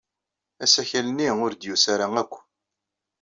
Asakal-nni ur d-yusi ara akk.